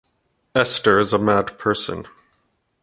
Esther is a mad person.